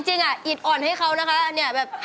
จริงอ่ะอีทอ่อนให้เค้านะคะเนี่ยแบบ